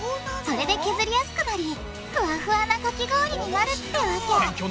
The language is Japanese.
それで削りやすくなりふわふわなかき氷になるってわけおもしろい。